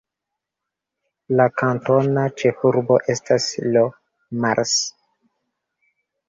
La kantona ĉefurbo estas Le Mars.